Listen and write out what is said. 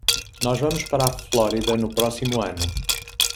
Nós vamos para a Flórida no próximo ano.